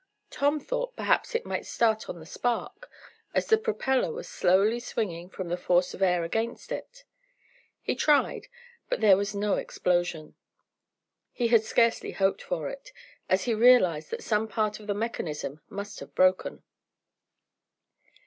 Tom thought perhaps it might start on the spark, as the propeller was slowly swinging from the force of air against it. He tried, but there was no explosion. He had scarcely hoped for it, as he realized that some part of the mechanism must have broken.